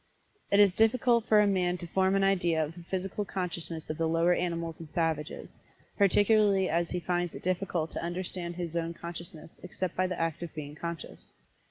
It is difficult for a man to form an idea of the Physical Consciousness of the lower animals and savages, particularly as he finds it difficult to understand his own consciousness except by the act of being conscious.